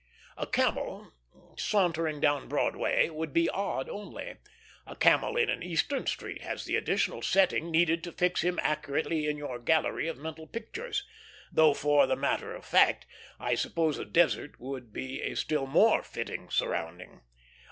A camel sauntering down Broadway would be odd only; a camel in an Eastern street has the additional setting needed to fix him accurately in your gallery of mental pictures; though, for the matter of that, I suppose a desert would be a still more fitting surrounding.